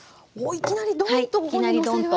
いきなりドンと。